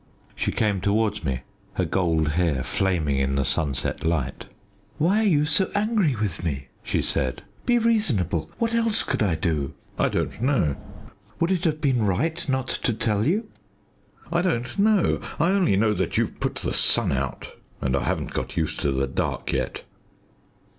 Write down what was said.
She came towards me her gold hair flaming in the sunset light. "Why are you so angry with me?" she said. "Be reasonable. What else could I do?" "I don't know." "Would it have been right not to tell you?" "I don't know. I only know that you've put the sun out, and I haven't got used to the dark yet."